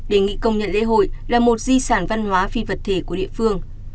đề nghị công nhận lễ hội là một di sản văn hóa phi vật thể của địa phương